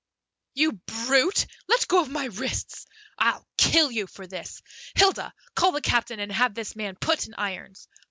"You brute, let go of my wrists! I'll kill you for this! Hilda, call the captain and have this man put in irons.